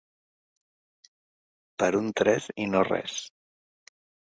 Per un tres i no res.